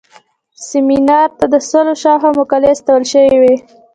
سیمینار ته د سلو شاوخوا مقالې استول شوې وې.